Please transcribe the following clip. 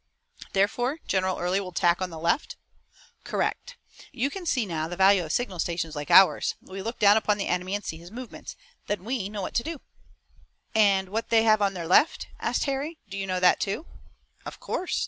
"Therefore General Early will attack on the left?" "Correct. You can see now the value of signal stations like ours. We can look down upon the enemy and see his movements. Then we know what to do." "And what have they on their left?" asked Harry. "Do you know that, too?" "Of course.